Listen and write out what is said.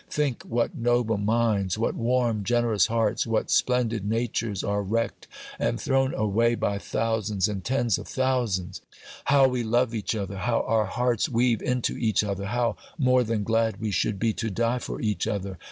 Think what noble minds, what warm, generous hearts, what splendid natures are wrecked and thrown away by thousands and tens of thousands! How we love each other! how our hearts weave into each other! how more than glad we should be to die for each other!